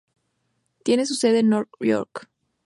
Tiene su sede en North York.